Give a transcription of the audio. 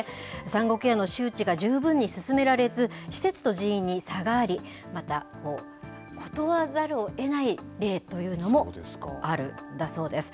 産後ケアの周知が十分に進められず、施設と人員に差があり、また、断らざるをえない例というのもあるんだそうです。